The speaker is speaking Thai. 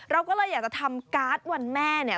เราก็เลยอยากจะทำการ์ดวันแม่เนี่ย